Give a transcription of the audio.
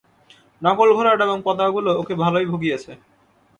নকল ঘোড়াটা এবং পতাকাগুলো ওকে ভালোই ভুগিয়েছে।